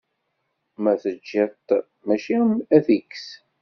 Ma teǧǧiḍ-t mačči ad d-ikkes.